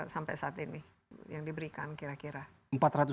sampai saat ini yang diberikan kira kira